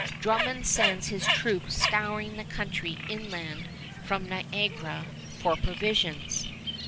Drummond sends his troops scouring the country inland from Niagara for provisions.